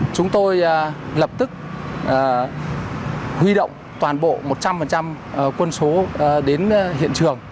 chúng tôi lập tức huy động toàn bộ một trăm linh quân số đến hiện trường